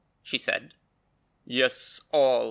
she said. 'Yes, all!